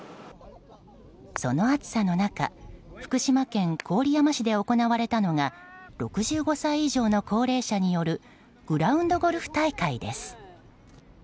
その暑さの中、福島県郡山市で行われたのが６５歳以上の高齢者によるグラウンドゴルフ大会です。